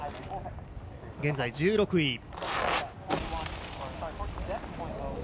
現在１６位。